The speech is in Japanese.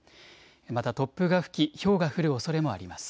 また突風が吹きひょうが降るおそれもあります。